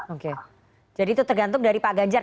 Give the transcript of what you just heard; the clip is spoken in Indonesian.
oke jadi itu tergantung dari pak ganjar